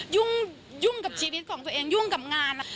ยุ่งกับชีวิตของตัวเองยุ่งกับงานนะคะ